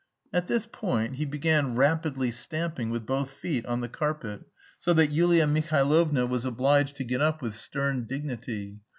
At this point he began rapidly stamping with both feet on the carpet, so that Yulia Mihailovna was obliged to get up with stern dignity.